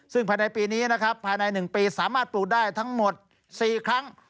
ซึ่งภายในปีนี้นะครับภายใน๑ปีสามารถปลูกได้ทั้งหมด๔ครั้ง